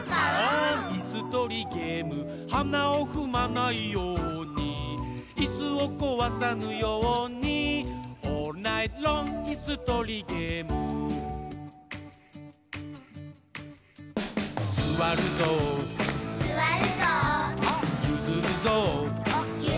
いすとりゲーム」「はなをふまないように」「いすをこわさぬように」「オールナイトロングいすとりゲーム」「すわるぞう」「ゆずるぞう」